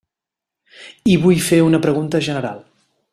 I vull fer una pregunta general.